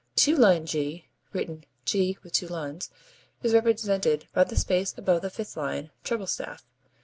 Two lined G, (written [2 lined g symbol]), is represented by the space above the fifth line, treble staff.